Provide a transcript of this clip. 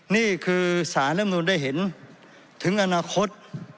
นี่คือสารลำนูนได้เห็นถึงอนาคต